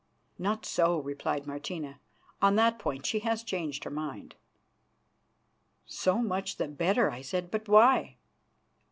"Not so," replied Martina. "On that point she has changed her mind." "So much the better," I said. "But why?"